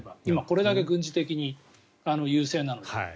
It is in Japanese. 今これだけ軍事的に優勢なので。